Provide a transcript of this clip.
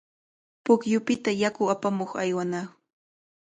Pukyupita yaku apamuq aywanaq.